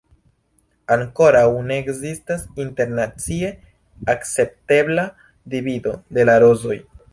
Ankoraŭ ne ekzistas internacie akceptebla divido de la rozoj.